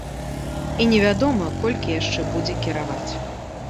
І не вядома, колькі яшчэ будзе кіраваць.